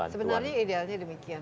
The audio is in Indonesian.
sebenarnya idealnya demikian